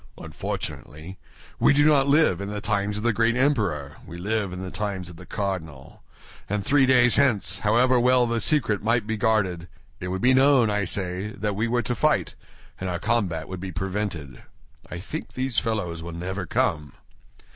Unfortunately, we do not live in the times of the great emperor, we live in the times of the cardinal; and three days hence, however well the secret might be guarded, it would be known, I say, that we were to fight, and our combat would be prevented. I think these fellows will never come."